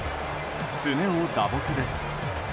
すねを打撲です。